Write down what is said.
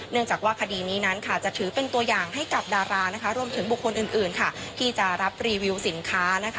เนื่องจากว่าคดีนี้นั้นจะถือเป็นตัวอย่างให้กับดาราและบุคคลอื่นที่จะรับรีวิวสินค้า